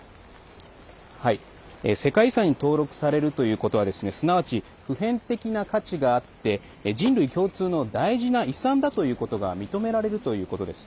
世界遺産に登録されるということはすなわち普遍的な価値があって人類共通の大事な遺産だということが認められることです。